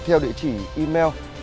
theo địa chỉ email